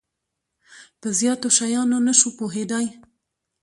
په زیاتو شیانو نه شو پوهیدای.